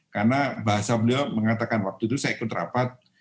karena bahasa beliau mengatakan waktu itu saya ikut rapat